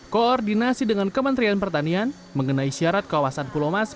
koordinasi dengan kementerian pertanian mengenai syarat kawasan pulomas